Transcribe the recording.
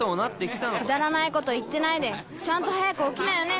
くだらないこと言ってないでちゃんと早く起きなよね。